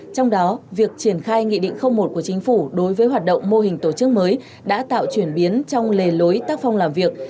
trong đó việc triển khai nghị định một của chính phủ đối với hoạt động mô hình tổ chức mới đã tạo chuyển biến trong lề lối tác phong làm việc